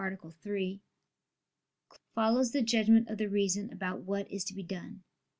3), follows the judgment of the reason about what is to be done.